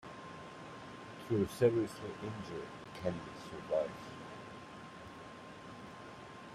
Though seriously injured, Kennedy survives.